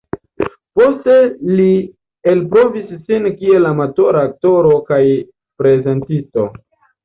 Poste li elprovis sin kiel amatora aktoro kaj prezentisto.